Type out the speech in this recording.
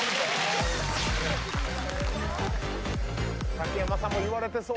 竹山さんも言われてそう！